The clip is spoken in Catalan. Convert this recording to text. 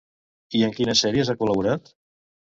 I en quines sèries ha col·laborat?